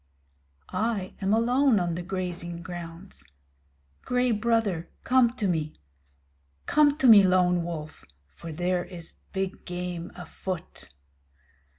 I am alone on the grazing grounds. Gray Brother come to me! Come to me, Lone Wolf, for there is big game afoot!